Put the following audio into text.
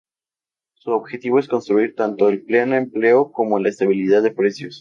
Su objetivo es conseguir tanto el pleno empleo como la estabilidad de precios.